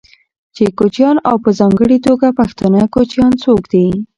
چې کوچيان او په ځانګړې توګه پښتانه کوچيان څوک دي،